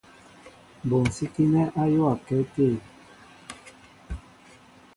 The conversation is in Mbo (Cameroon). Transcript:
Mɓonsikinɛ ayōōakɛ até.